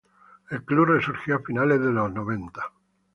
El club resurgió a finales de noventa.